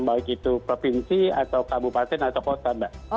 baik itu provinsi kabupaten atau kota